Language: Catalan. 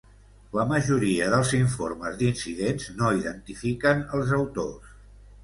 La majoria dels informes d'incidents no identifiquen els autors.